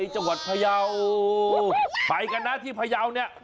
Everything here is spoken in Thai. จังหวัดพยาวไปกันนะที่พยาวเนี่ย